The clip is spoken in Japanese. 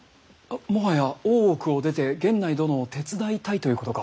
もはや大奥を出て源内殿を手伝いたいということか。